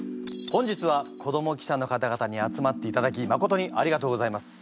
本日は子ども記者の方々に集まっていただきまことにありがとうございます。